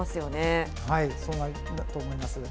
そうだと思います。